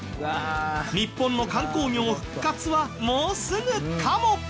日本の観光業復活はもうすぐかも！